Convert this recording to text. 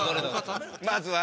まずは。